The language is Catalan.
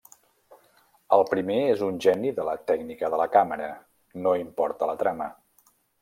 El primer és un geni de la tècnica de la càmera, no importa la trama.